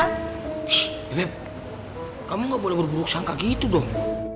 shhh beb kamu ga boleh berburuk sangka gitu dong